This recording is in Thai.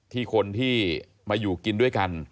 ที่คนที่มาอยู่กินด้วยกัน